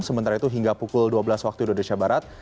sementara itu hingga pukul dua belas waktu indonesia barat